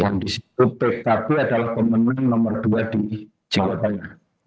yang di situ p satu adalah pemenang nomor dua di jawa tengah